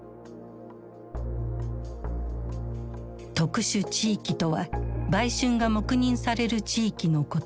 特殊地域とは売春が黙認される地域のこと。